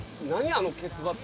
あのケツバット。